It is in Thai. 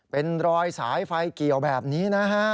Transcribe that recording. เป็นรอยสายไฟเกี่ยวแบบนี้นะฮะ